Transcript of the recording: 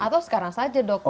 atau sekarang saja dokter